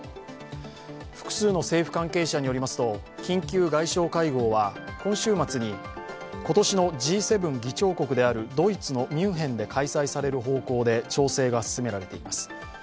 複数の政府関係者によりますと緊急外相会合は今週末に、今年のＧ７議長国であるドイツのミュンヘンで開催される方向で調整が進められています。